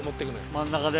真ん中で？